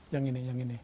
yang ini yang ini